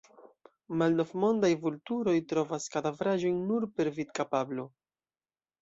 Malnovmondaj vulturoj trovas kadavraĵojn nur per vidkapablo.